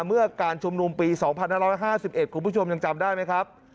เมื่อการชุมนุมปี๒๕๕๑คุณผู้ชมยังจำได้ไหมครับ